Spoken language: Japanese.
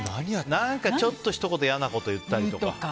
何かちょっとひと言、嫌なこと言ったりとか。